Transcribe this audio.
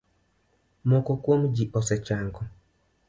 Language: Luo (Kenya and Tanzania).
Moko kuom ji osechango.